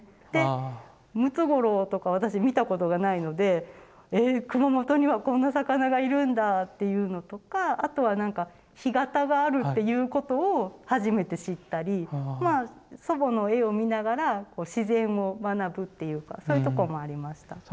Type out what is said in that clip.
でムツゴロウとか私見たことがないので「えっ熊本にはこんな魚がいるんだ」っていうのとかあとは何か干潟があるっていうことを初めて知ったりまあ祖母の絵を見ながら自然も学ぶっていうかそういうところもありました。